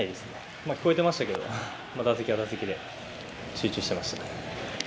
まあ、聞こえてましたけど、打席は打席で集中してました。